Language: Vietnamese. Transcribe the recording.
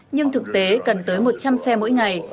nhưng thực tế cần tới một trăm linh xe mỗi ngày